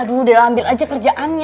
aduh udah lah ambil aja kerjaannya